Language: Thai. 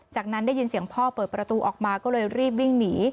จากนั้นได้ยินเสียงพ่อเปิดประตูออกมาก็เลยรีบวิ่งหนี